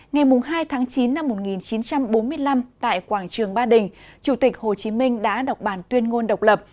ngày hai tháng chín năm một nghìn chín trăm bốn mươi năm tại quảng trường ba đình chủ tịch hồ chí minh đã đọc bản tuyên ngôn độc lập